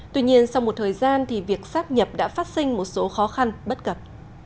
tuy nhiên sau một thời gian thì việc sắp nhập đã phát sinh một số khó khăn bất cập